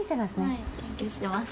はい研究してます。